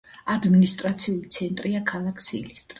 ადმინისტრაციული ცენტრია ქალაქი სილისტრა.